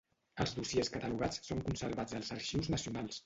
Els dossiers catalogats són conservats als arxius nacionals.